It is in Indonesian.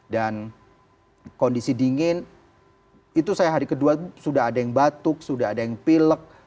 dan kondisi dingin itu saya hari kedua sudah ada yang batuk sudah ada yang pilek